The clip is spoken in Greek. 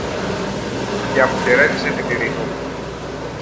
και αποχαιρέτησε την Ειρηνούλα.